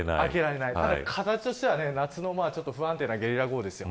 形としては夏の不安定なゲリラ豪雨です。